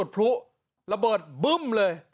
พลุระเบิดอ่ะค่ะ